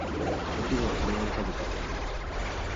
お昼はカレーを食べた。